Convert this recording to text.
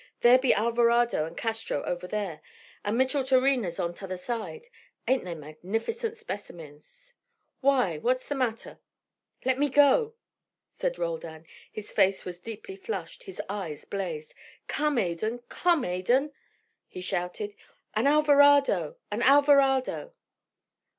"There be Alvarado and Castro over there, and Micheltorena on t' other side. Ain't they magnificent specimens? Why, what's the matter?" "Let me go!" said Roldan. His face was deeply flushed, his eyes blazed. "Come, Adan! come, Adan!" he shouted. "An Alvarado! an Alvarado!"